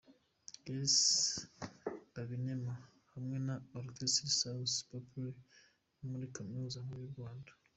Celse Gabinema hamwe na Orchestre Salus Pupuli yo muri Kaminuza nkuru y' u Rwanda.